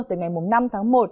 từ ngày mùng năm tháng một